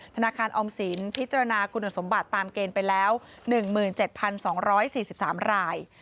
ธนาคารออมสินพิจารณาคุณสมบัติตามเกณฑ์ไปแล้ว๑๗๒๔๓ราย